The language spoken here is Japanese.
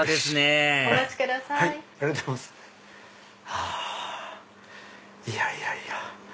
はぁいやいやいや。